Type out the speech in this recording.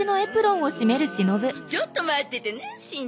ちょっと待っててねしんちゃん。